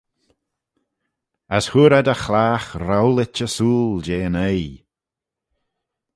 As hooar ad y chlagh rowlit ersooyl jeh'n oaie.